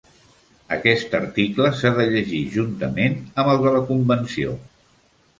Aquest article s'ha de llegir juntament amb el de la Convenció.